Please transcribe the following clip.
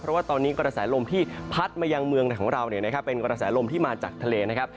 เพราะว่าตอนนี้กระแสลมที่พัดมายังเมืองในของเราเป็นกระแสลมที่มาจากทะเลนะครับ